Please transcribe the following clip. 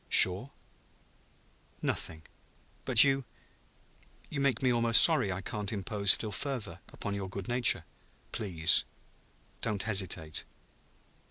Sure?" "Nothing. But you you make me almost sorry I can't impose still further upon your good nature." "Please don't hesitate